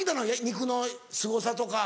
肉のすごさとか。